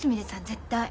絶対。